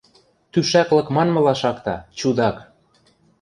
— Тӱшӓклык манмыла шакта, чудак!